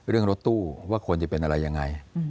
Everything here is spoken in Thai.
เรื่องรถตู้ว่าควรจะเป็นอะไรยังไง